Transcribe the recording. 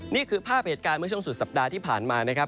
นี่คือภาพเหตุการณ์เมื่อช่วงสุดสัปดาห์ที่ผ่านมานะครับ